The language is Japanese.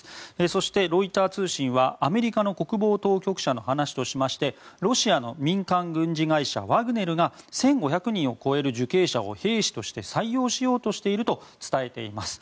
そして、ロイター通信はアメリカの国防当局者の話としてロシアの民間軍事会社ワグネルが１５００人を超える受刑者を兵士として採用しようとしていると伝えています。